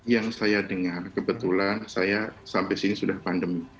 yang saya dengar kebetulan saya sampai sini sudah pandemi